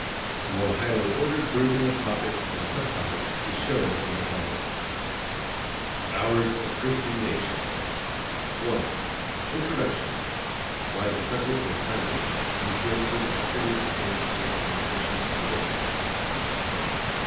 A more highly ordered grouping of topics and subtopics is shown in the following: OURS A CHRISTIAN NATION I. INTRODUCTION: Why the subject is timely. Influences operative against this contention today.